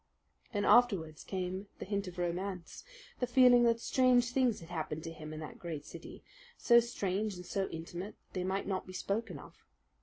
And afterwards came the hint of romance, the feeling that strange things had happened to him in that great city, so strange and so intimate that they might not be spoken of.